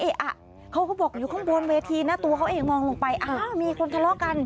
เขาก็บอกอยู่ข้างบนเวทีนะตัวเขาเองมองลงไปอ้าวมีคนทะเลาะกัน